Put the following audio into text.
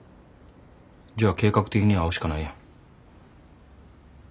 じゃあ計画的に会うしかないやん。